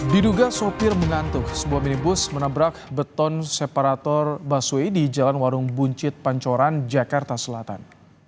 diduga sopir mengantuk sebuah minibus menabrak beton separator busway di jalan warung buncit pancoran jakarta selatan